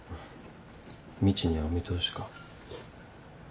みちにはお見通しか。